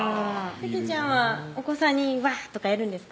たけちゃんはお子さんに「わっ」とかやるんですか？